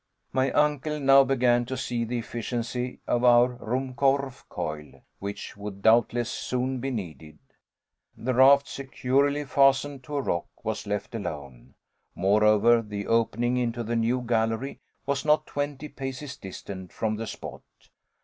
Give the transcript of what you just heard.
My uncle now began to see to the efficiency of our Ruhmkorff coil, which would doubtless soon be needed; the raft, securely fastened to a rock, was left alone. Moreover, the opening into the new gallery was not twenty paces distant from the spot.